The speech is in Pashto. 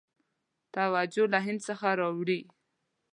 توجه له هند څخه واړوي.